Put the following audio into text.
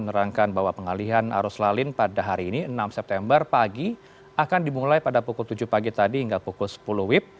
menerangkan bahwa pengalihan arus lalin pada hari ini enam september pagi akan dimulai pada pukul tujuh pagi tadi hingga pukul sepuluh wib